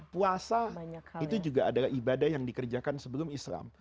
puasa itu juga adalah ibadah yang dikerjakan sebelum islam